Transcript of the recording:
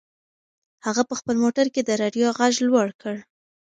هغه په خپل موټر کې د رادیو غږ لوړ کړ.